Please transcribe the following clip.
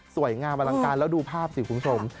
สวยงามบัลลังการแล้วดูภาพสิ่งคุ้มชม